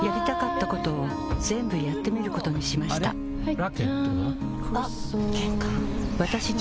ラケットは？